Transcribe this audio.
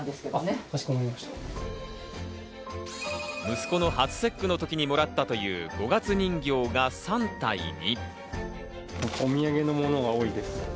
息子の初節句の時にもらったという五月人形が３体に。